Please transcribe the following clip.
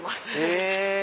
へぇ。